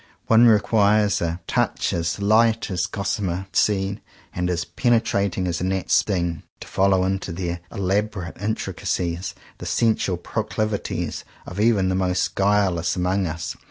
One requires a touch as light as a gossamer seed, and as penetrating as a gnat's sting, to follow into their elaborate intricacies the sensual pro clivities of even the most guileless among us.